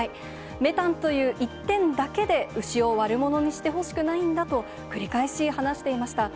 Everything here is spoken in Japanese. メタンという１点だけで牛を悪者にしてほしくないんだというふうに繰り返し話していました。